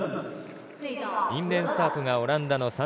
インスタートがオランダの